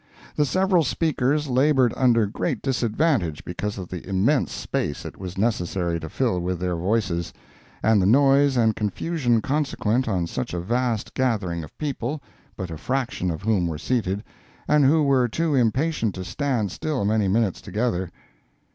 The several speakers labored under great disadvantage because of the immense space it was necessary to fill with their voices, and the noise and confusion consequent on such a vast gathering of people, but a fraction of whom were seated, and who were too impatient to stand still many minutes together.